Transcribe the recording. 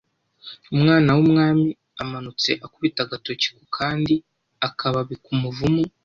Umwana w'umwami amanutse akubita agatoki ku kandiAkababi k'umuvumu